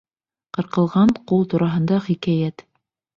ҠЫРҠЫЛҒАН ҠУЛ ТУРАҺЫНДА ХИКӘЙӘТ